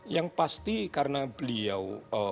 yang pasti karena beliau